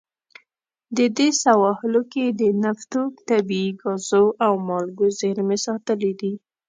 د دې سواحلو کې د نفتو، طبیعي ګازو او مالګو زیرمې ساتلې دي.